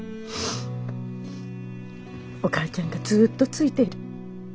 お母ちゃんがずっとついている。